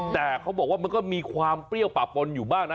แต่เขาบอกว่ามันก็มีความเปรี้ยวป่าปนอยู่บ้างนะ